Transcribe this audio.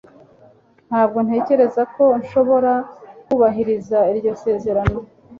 Ntabwo ntekereza ko nshobora kubahiriza iryo sezerano